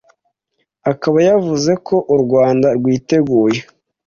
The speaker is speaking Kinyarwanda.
akaba yavuze ko u rwanda rwiteguye